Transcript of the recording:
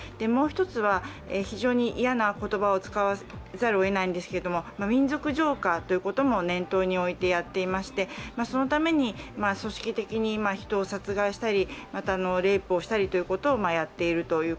もう１つは、非常に嫌な言葉を使わざるを得ないんですけど民族浄化ということも念頭に置いてやっていまして、そのために組織的に人を殺害したりまたレイプをしたりしています。